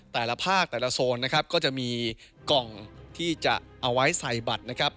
แต่ละภาคแต่ละโซนนะครับก็จะมีกล่องที่จะเอาไว้ใส่บัตรนะครับ